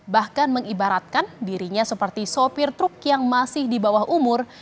bahkan mengibaratkan dirinya seperti sopir truk yang masih di bawah umur